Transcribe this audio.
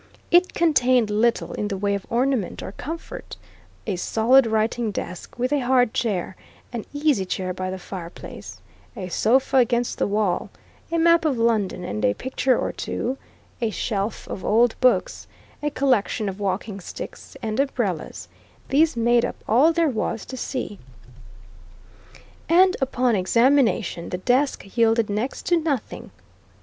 It contained little in the way of ornament or comfort a solid writing desk with a hard chair, an easy chair by the fireplace, a sofa against the wall, a map of London and a picture or two, a shelf of old books, a collection of walking sticks, and umbrellas: these made up all there was to see. And upon examination the desk yielded next to nothing.